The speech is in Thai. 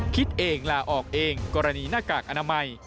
คิดเองลาออกเองกรณีหน้ากากอนามัย